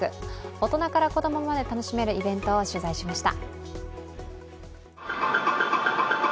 大人から子供まで楽しめるイベントを取材しました。